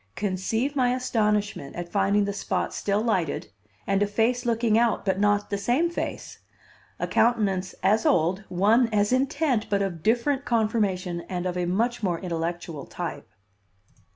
Conceive my astonishment at finding the spot still lighted and a face looking out, but not the same face, a countenance as old, one as intent, but of different conformation and of a much more intellectual type.